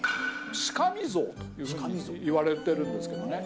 しかみ像といわれてるんですけどね。